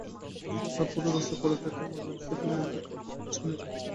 কিন্তু তার পরও রাস্তায় পড়ে থাকা ময়লার স্তূপের মধ্যে খাদ্য খুঁজছে অনেকে।